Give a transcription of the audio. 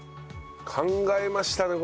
考えましたね